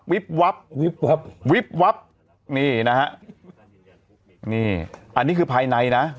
วับวิบวับวิบวับนี่นะฮะนี่อันนี้คือภายในนะ